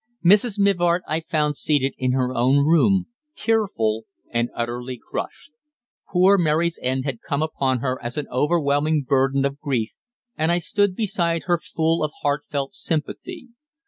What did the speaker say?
Mrs. Mivart I found seated in her own room, tearful and utterly crushed. Poor Mary's end had come upon her as an overwhelming burden of grief, and I stood beside her full of heartfelt sympathy.